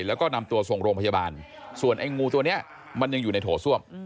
แล้วก็นำตัวส่งโรงพยาบาลส่วนไอ้งูตัวนี้มันยังอยู่ในโถส้วม